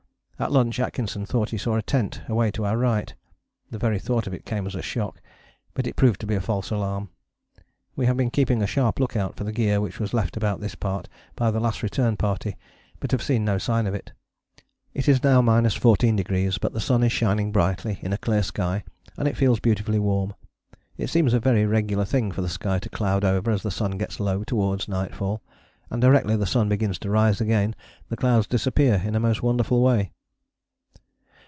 At lunch Atkinson thought he saw a tent away to our right, the very thought of it came as a shock, but it proved to be a false alarm. We have been keeping a sharp look out for the gear which was left about this part by the Last Return Party, but have seen no sign of it. It is now 14°, but the sun is shining brightly in a clear sky, and it feels beautifully warm. It seems a very regular thing for the sky to cloud over as the sun gets low towards nightfall and directly the sun begins to rise again the clouds disappear in a most wonderful way.